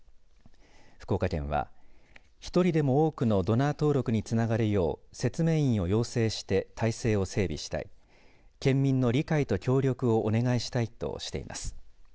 福岡県は１人でも多くのドナー登録につながるよう説明員を養成して体制を整備したい県民の理解と協力をお願いしたいとしています。